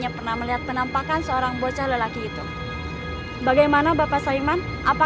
kalau dia akan meninggalkanku selamanya